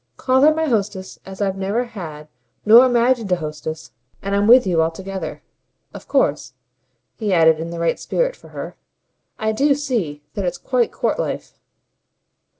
Call her my hostess as I've never had nor imagined a hostess, and I'm with you altogether. Of course," he added in the right spirit for her, "I do see that it's quite court life."